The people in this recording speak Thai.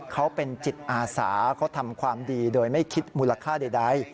เขาเป็นจิตอาสาเขาทำความดีโดยไม่คิดมูลค่าใด